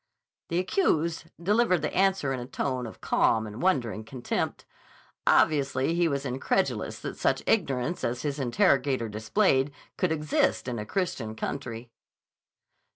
_" The accused delivered the answer in a tone of calm and wondering contempt. Obviously he was incredulous that such ignorance as his interrogator displayed could exist in a Christian country.